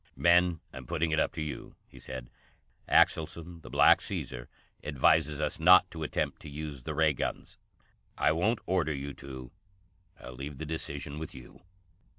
"Men, I'm putting it up to you," he said. "Axelson, the Black Caesar, advises us not to attempt to use the Ray guns. I won't order you to. I'll leave the decision with you."